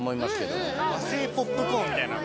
和製ポップコーンみたいな。